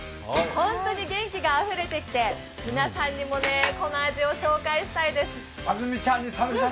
本当に元気があふれてきて皆さんにもこの味を紹介したいです。